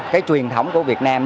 cái truyền thống của việt nam